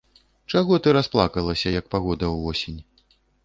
Чаго ты расплакалася, як пагода ўвосень?